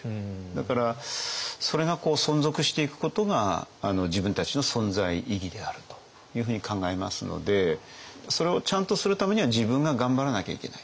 だからそれが存続していくことが自分たちの存在意義であるというふうに考えますのでそれをちゃんとするためには自分が頑張らなきゃいけない。